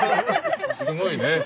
すごいね。